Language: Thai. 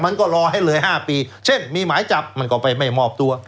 มันก็รอให้เลย๕ปีเช่นมีหมายจับมันก็ไปไม่มอบตัว